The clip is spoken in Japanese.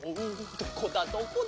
どこだどこだ？